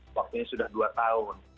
waktu ini sudah dua tahun